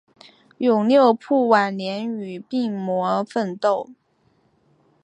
永六辅晚年与病魔奋斗。